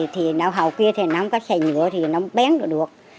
thì nào hầu kia thì nó không có xe nhựa thì nó bén được được